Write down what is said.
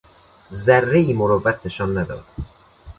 ذرهای مروت نشان نداد!